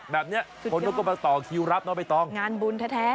แบบนี้คนเขาก็มาต่อคิวรับน้องใบตองงานบุญแท้